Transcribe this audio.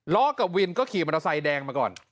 ล้อกับวินก็ขี่มอเตอร์ไซค์แดงมาก่อน